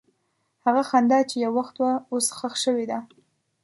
هغه خندا چې یو وخت وه، اوس ښخ شوې ده.